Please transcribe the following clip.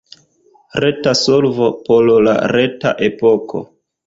Reta solvo por la reta epoko.